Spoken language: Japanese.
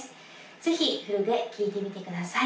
ぜひフルで聴いてみてください